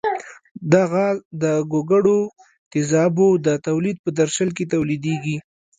دا غاز د ګوګړو تیزابو د تولید په درشل کې تولیدیږي.